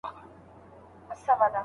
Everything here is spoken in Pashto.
د موضوع ژور درک د ښه لارښود ځانګړنه ده.